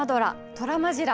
トラマジラ！」。